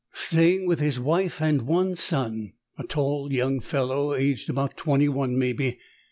"... staying with his wife and one son, a tall young fellow, aged about twenty one, maybe.